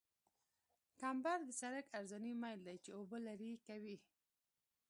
کمبر د سرک عرضاني میل دی چې اوبه لرې کوي